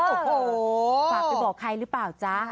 ฝากไปบอกใครหรือเปล่าจ๊ะ